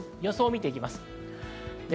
予想を見ていきます。